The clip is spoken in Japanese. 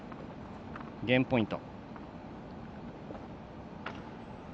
ゲームポイント。